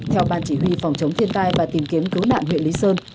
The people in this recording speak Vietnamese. theo ban chỉ huy phòng chống thiên tai và tìm kiếm cứu nạn huyện lý sơn